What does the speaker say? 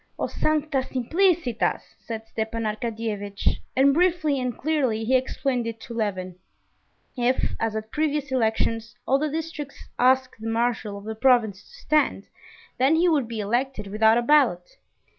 "O sancta simplicitas!" said Stepan Arkadyevitch, and briefly and clearly he explained it to Levin. If, as at previous elections, all the districts asked the marshal of the province to stand, then he would be elected without a ballot.